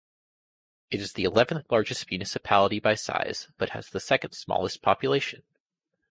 It is the eleventh largest municipality by size, but has the second smallest population.